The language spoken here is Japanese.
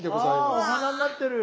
あお花になってる！